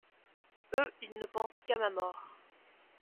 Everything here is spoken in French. Eux, ils ne pensent qu’à ma mort.